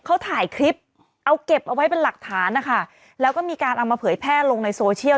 เขาถ่ายคลิปเอาเก็บเอาไว้เป็นหลักฐานนะคะแล้วก็มีการเอามาเผยแพร่ลงในโซเชียล